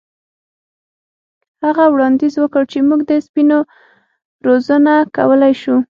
هغه وړاندیز وکړ چې موږ د سپیو روزنه کولی شو